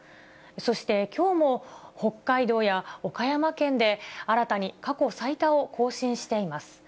そしてきょうも北海道や岡山県で、新たに過去最多を更新しています。